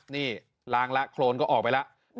นี่ล้างแล้วโครนก็ออกไปแล้ว